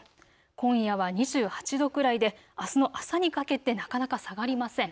今夜は２８度くらいであすの朝にかけてなかなか下がりません。